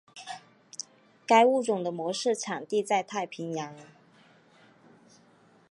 该物种的模式产地在太平洋。